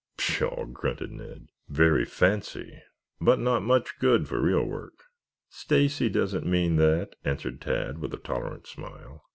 "Pshaw!" grunted Ned. "Very fancy, but not much good for real work." "Stacy doesn't mean that," answered Tad with a tolerant smile.